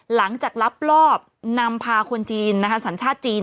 หลังจากรับรอบนำพาคนจีนสัญชาติจีน